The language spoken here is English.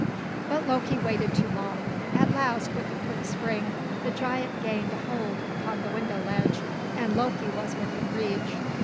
But Loki waited too long. At last, with a quick spring, the giant gained a hold upon the window ledge, and Loki was within reach.